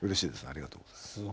ありがとうございます。